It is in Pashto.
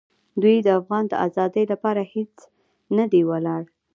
دوی د افغان د آزادۍ لپاره هېڅ نه دي ولاړ.